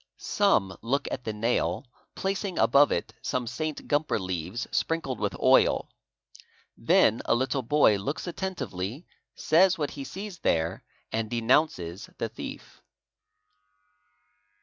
'' Some look P at the nail placing above it some St. Gumper leaves sprinkled with oil ; then a little boy looks attentively, says what he sees there, and denounces _ the thief."